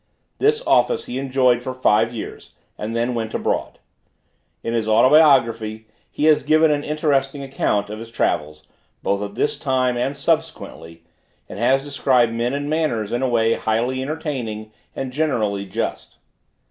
This office he enjoyed for five years, and then went abroad. In his Autobiography he has given an interesting account of his travels, both at this time and subsequently, and has described men and manners in a way highly entertaining, and generally just.